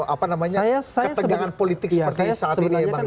ketegangan politik seperti saat ini ya pak gretel